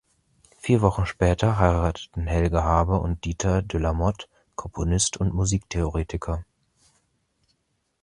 Vier Wochen später heirateten Helga Haber und Diether de la Motte, Komponist und Musiktheoretiker.